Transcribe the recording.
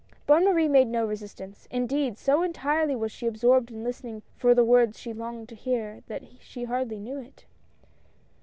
Bonne Marie made no resistance — indeed so entirely was she absorbed in listening for the words she longed to hear, that she hardly knew it.